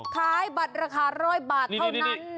ขายบัตรราคา๑๐๐บาทเท่านั้น